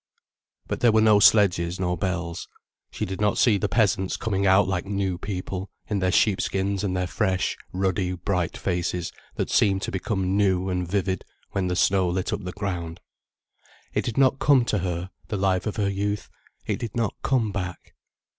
But there were no sledges nor bells, she did not see the peasants coming out like new people, in their sheepskins and their fresh, ruddy, bright faces, that seemed to become new and vivid when the snow lit up the ground. It did not come to her, the life of her youth, it did not come back.